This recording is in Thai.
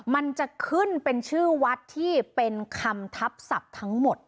มันจะขึ้นเป็นชื่อวัดที่เป็นคำทับศัพท์ทั้งหมด